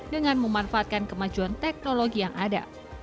dengan memanfaatkan kemajuan teknologi yang ada